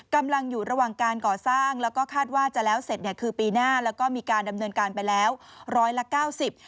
กำลังอยู่ระหว่างการก่อสร้างแล้วก็คาดว่าจะแล้วเสร็จเนี่ยคือปีหน้าแล้วก็มีการดำเนินการไปแล้วร้อยละเก้าสิบ